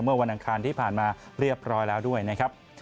วันอังคารที่ผ่านมาเรียบร้อยแล้วด้วยนะครับ